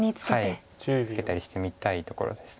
はいツケたりしてみたいところです。